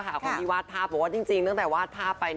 ของพี่วาดภาพเพราะว่าจริงตั้งแต่วาดภาพไป